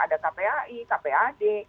ada kpai kpad